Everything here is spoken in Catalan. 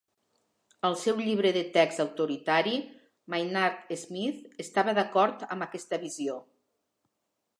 Al seu llibre de text autoritari, Maynard Smith estava d'acord amb aquesta visió.